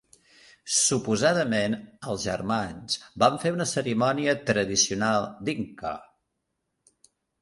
Suposadament, els germans van fer una cerimònia tradicional dinka.